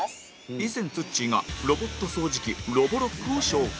以前、つっちーがロボット掃除機ロボロックを紹介